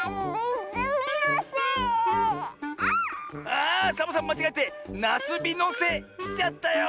あサボさんまちがえて「なすびのせ」しちゃったよ！